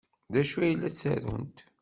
D acu ay la ttarunt?